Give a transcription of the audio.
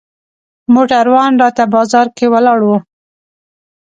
موټروان راته بازار کې ولاړ و.